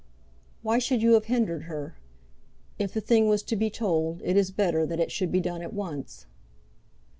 "Why should you have hindered her? If the thing was to be told, it is better that it should be done at once."